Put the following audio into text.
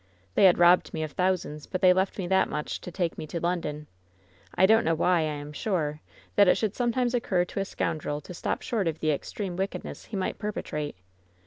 They had robbed me of thousands, but they left me that much to take me to London. I don't know why, I am sure, that it should sometimes occur to a scoundrel to stop short of the extreme wickedness he might perpetrate!